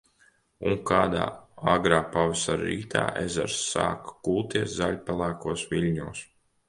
Un kādā agrā pavasara rītā, ezers sāka kulties zaļpelēkos viļņos.